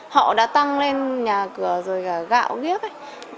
họ đã tăng lên nhà cửa rồi cả gạo điếc ấy